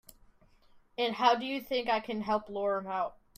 And how do you think I can help lure him out?